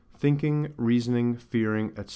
thinking, reasoning, fearing, &c.